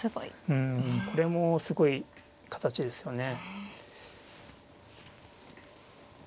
うんこれもすごい形ですよね。